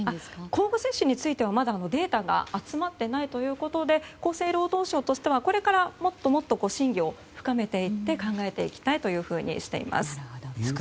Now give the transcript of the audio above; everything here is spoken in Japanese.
交互接種についてはデータが集まっていないということで厚生労働省としてはこれから、もっともっと審議を深めていって考えていきたいというふうにしています。